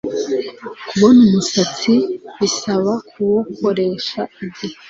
kubona umusatsi bisaba kuwukoresha igihe.